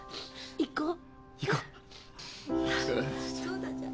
行こう。